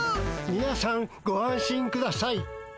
みなさんご安心ください。